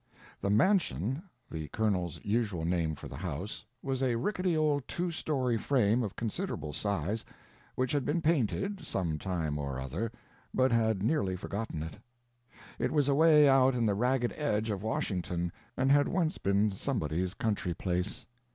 The "mansion"—the Colonel's usual name for the house—was a rickety old two story frame of considerable size, which had been painted, some time or other, but had nearly forgotten it. It was away out in the ragged edge of Washington and had once been somebody's country place.